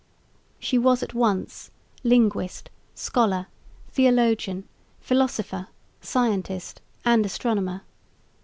She was at once linguist, scholar, theologian, philosopher, scientist and astronomer.